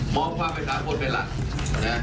มองความประสาทคนเป็นลักษณ์